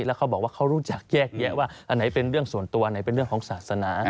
แล้วเขาบอกว่าเขารู้จักแยกแยะว่าอันไหนเป็นเรื่องส่วนตัวไหนเป็นเรื่องของศาสนา